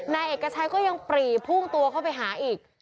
นายเอกชัยก็ยังปรีพุ่งตัวเข้าไปหาอีก